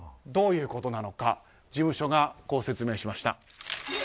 どういうことなのか事務所がこう説明しました。